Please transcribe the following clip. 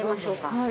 はい。